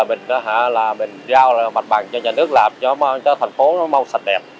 bây giờ mình giao mặt bằng cho nhà nước làm cho thành phố nó mau sạch đẹp